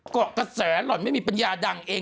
เกาะกระแสหล่อนไม่มีปัญญาดังเอง